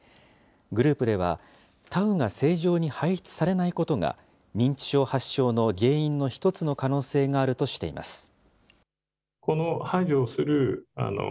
グループではタウが正常に排出されないことが、認知症発症の原因の一つの可能性があるとしています。